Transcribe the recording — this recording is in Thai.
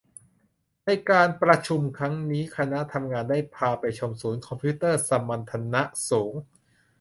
ในการประชุมครั้งนี้คณะทำงานได้พาไปชมศูนย์คอมพิวเตอร์สมรรถนะสูง